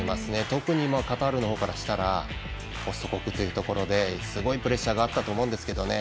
特にカタールの方からしたら祖国というところですごくプレッシャーがあったと思うんですけれどもね。